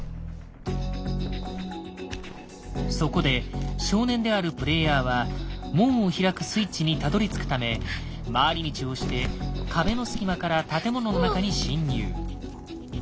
そこで少年であるプレイヤーは門を開くスイッチにたどりつくため回り道をして壁の隙間から建物の中に侵入。